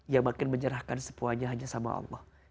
yang makin menyerahkan semuanya hanya sama allah